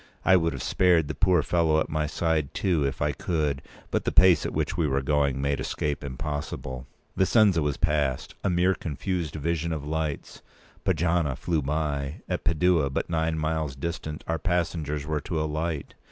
I would have spared the poor fellow at my side, too, if I could; but the pace at which we were going made escape impossible. Vicenza was passed—a mere confused vision of lights. Pojana flew by. At Padua, but nine miles distant, our passengers were to alight.